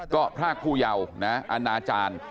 ก็พรากผู้เยาว์อนาจารย์